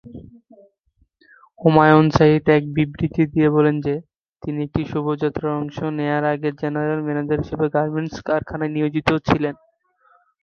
হুমায়ুন সাঈদ এক বিবৃতি দিয়ে বলেন যে, তিনি একটি শোভাযাত্রায় অংশ নেওয়ার আগে জেনারেল ম্যানেজার হিসেবে গার্মেন্টস কারখানায় নিয়োজিত ছিলেন।